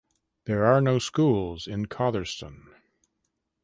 There are no schools in Cotherstone.